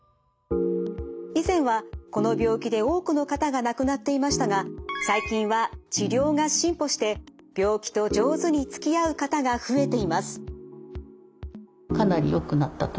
以前はこの病気で多くの方が亡くなっていましたが最近は治療が進歩して病気と上手につきあう方が増えています。